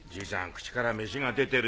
口から飯が出てるよ。